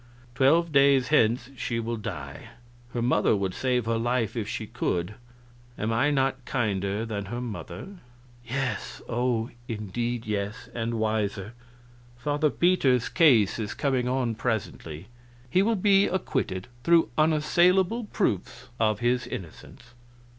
Twelve days hence she will die; her mother would save her life if she could. Am I not kinder than her mother?" "Yes oh, indeed yes; and wiser." "Father Peter's case is coming on presently. He will be acquitted, through unassailable proofs of his innocence."